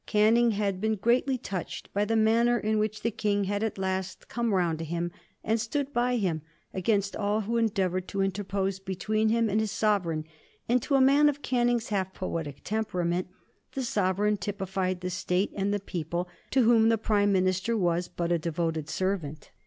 Canning had been greatly touched by the manner in which the King had, at last, come round to him and stood by him against all who endeavored to interpose between him and his sovereign; and to a man of Canning's half poetic temperament the sovereign typified the State and the people, to whom the Prime Minister was but a devoted servant.